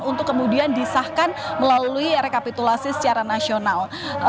untuk kemudian disahkan melalui rekapitulasi secara nasional